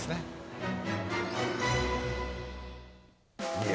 いや